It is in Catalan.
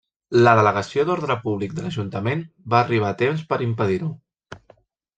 La Delegació d'Ordre Públic de l'Ajuntament va arribar a temps per a impedir-ho.